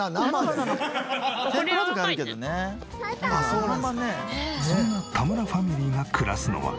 そんな田村ファミリーが暮らすのは。